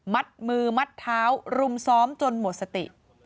มัดมือมัดเท้ารุมซ้อมจนหมดสติ